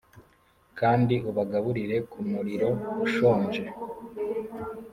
kandi ubagaburire ku muriro ushonje!